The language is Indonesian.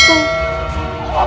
papa bangun pak